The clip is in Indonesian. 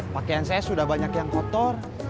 pakaian saya sudah banyak yang kotor